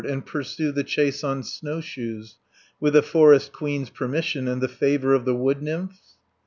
And pursue the chase on snowshoes, With the Forest Queen's permission, And the favour of the wood nymphs?